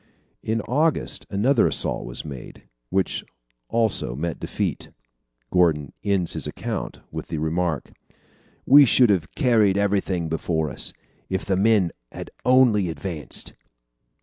In August another assault was made, which also met defeat. Gordon ends his account with the remark: "We should have carried everything before us, if the men had only advanced."